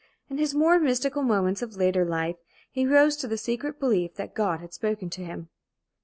In his more mystical moments of later life he rose to the secret belief that God had spoken to him.